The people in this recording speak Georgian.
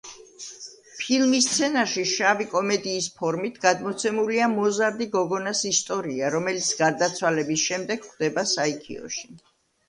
ფილმის სცენარში შავი კომედიის ფორმით გადმოცემულია მოზარდი გოგონას ისტორია, რომელიც გარდაცვალების შემდეგ ხვდება საიქიოში.